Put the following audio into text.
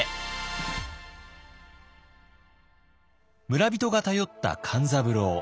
村人が頼った勘三郎。